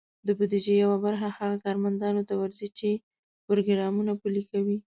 د بودیجې یوه برخه هغه کارمندانو ته ورځي، چې پروګرامونه پلي کوي.